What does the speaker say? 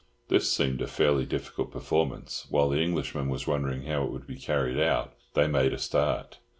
This seemed a fairly difficult performance; while the Englishman was wondering how it would be carried out, they made a start.